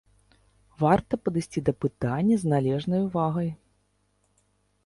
Варта падысці да пытання з належнай увагай.